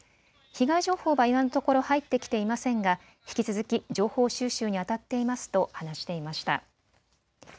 被害情報は今のところ入ってきていませんが引き続き情報収集にあたっていますと話していました。